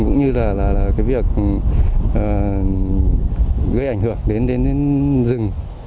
cũng như là việc gây ảnh hưởng đến rừng